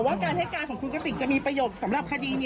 การให้การของคุณกติกจะมีประโยชน์สำหรับคดีนี้